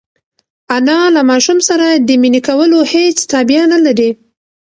انا له ماشوم سره د مینې کولو هېڅ تابیا نهلري.